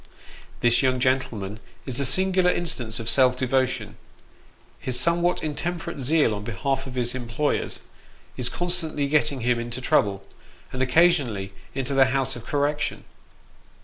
This young gentleman is a singular instance of self devotion ; his somewhat intemperate zeal on behalf of his employers, is constantly getting him into trouble, and occasionally into the House of Correction.